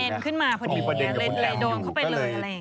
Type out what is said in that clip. มีประเด็นขึ้นมาพอดีเนี่ยเลยโดนเขาไปเลยอะไรอย่างนี้